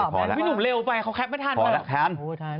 พี่หนุ่มเร็วไปเขาแป๊ปไม่ทัน